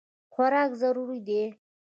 خوراک ضروري دی.